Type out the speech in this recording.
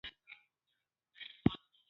یو سکلیټ د پنځلسو کلونو شاوخوا هلک و.